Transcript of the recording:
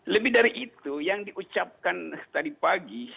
lebih dari itu yang diucapkan tadi pagi